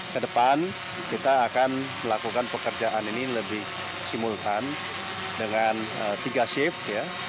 kedepan kita akan melakukan pekerjaan ini lebih simultan dengan tiga shift